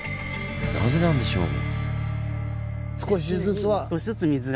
なぜなんでしょう？